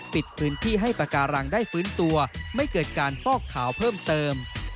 ปิดพื้นที่ให้ปากการังได้ฟื้นตัวไม่เกิดการฟอกขาวเพิ่มเติม